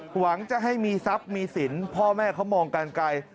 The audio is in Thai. หวังจะให้มีทรัพย์มีสินพ่อแม่เขามองกันไกล